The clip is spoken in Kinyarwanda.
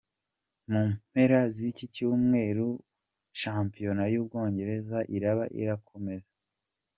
Mu mpera z’iki cy’umweru shampiyona y’Ubwongereza iraba irakomeza.